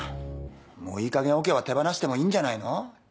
もういいかげんオケは手放してもいいんじゃないの？